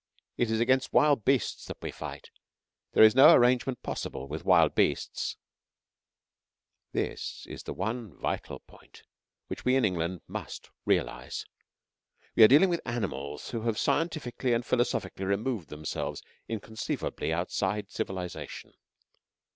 It is against wild beasts that we fight. There is no arrangement possible with wild beasts." This is the one vital point which we in England must realize. We are dealing with animals who have scientifically and philosophically removed themselves inconceivably outside civilization.